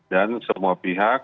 dan semua pihak